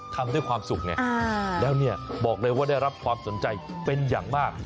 ทำด้วยความสุขไงแล้วเนี่ยบอกเลยว่าได้รับความสนใจเป็นอย่างมาก